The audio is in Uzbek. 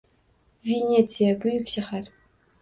Venetsiya - buyuk shahar